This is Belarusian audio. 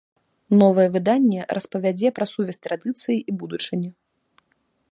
Новае выданне распавядзе пра сувязь традыцыі і будучыні.